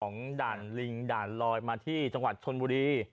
ด่านลิงด่านลอยมาที่จังหวัดชนบุรี